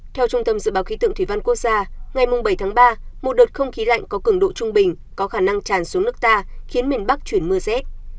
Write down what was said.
theo trung tâm dự báo khí tượng thủy văn quốc gia ngày bảy tháng ba một đợt không khí lạnh có cường độ trung bình có khả năng tràn xuống nước ta khiến miền bắc chuyển mưa rét